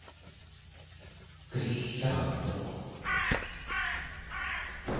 kell'a’rtuq